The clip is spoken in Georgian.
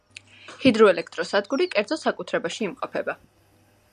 ჰიდროელექტროსადგური კერძო საკუთრებაში იმყოფება.